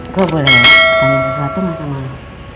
gue boleh tanya sesuatu gak sama lo